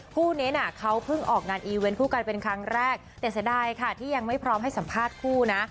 คู่นี้น่ะเขาเพิ่งออกงานอีเวนต์คู่กันเป็นครั้งแรกแต่เสียดายค่ะที่ยังไม่พร้อมให้สัมภาษณ์คู่นะ